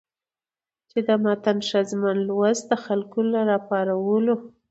چې د متن ښځمن لوست د خلکو له راپارولو